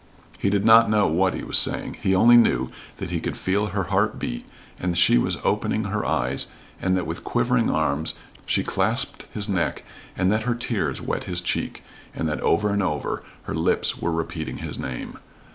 He did not know what he was saying. He only knew that he could feel her heart beat, and that she was opening her eyes, and that with quivering arms she clasped his neck, and that her tears wet his cheek, and that, over and over, her lips were repeating his name.